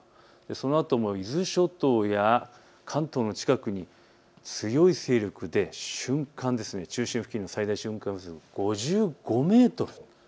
そのあと伊豆諸島や関東の近くに強い勢力で中心付近の最大瞬間風速５５メートルと。